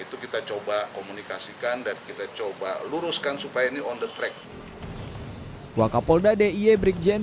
itu kita coba komunikasikan dan kita coba luruskan supaya ini on the track waka polda dia brigjen